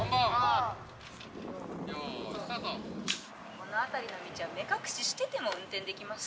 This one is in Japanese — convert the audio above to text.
この辺りの道は目隠ししてても運転できます。